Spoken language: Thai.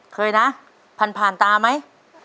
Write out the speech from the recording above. เคยนะผ่านตาไหม